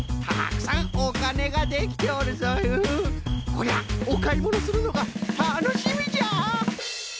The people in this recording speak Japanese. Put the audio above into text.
こりゃおかいものするのがたのしみじゃ！